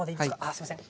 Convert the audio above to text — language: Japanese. あすいません。